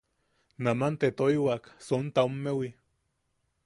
Naman te toiwak sontaomewi.